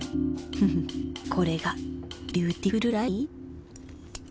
フフッこれがビューティフルライ？